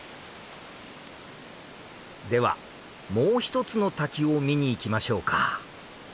ではもう１つの滝を見に行きましょうか。